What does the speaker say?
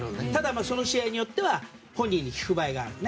その試合によっては本人に聞く場合があるよね